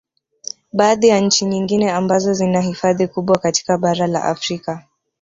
Baadhi ya nchi nyingine ambazo zina hifadhi kubwa katika bara la Afrika